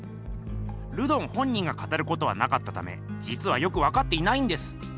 ルドン本人が語ることはなかったためじつはよくわかっていないんです。